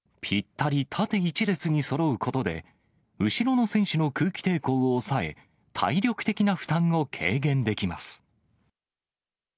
ぴったり縦一列にそろうことで、後ろの選手の空気抵抗を抑え、体力的な負担を軽減できます。